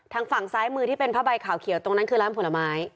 ทางฝั่งซ้ายมือที่เป็นผ้าใบขาวเขียวตรงนั้นคือร้านผลไม้